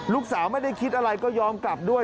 ลูกสาวไม่ได้คิดอะไรก็ยอมกลับด้วย